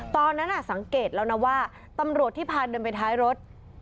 ตอนนั้นสังเกตแล้วนะว่าตำรวจที่พาเดินไปท้ายรถ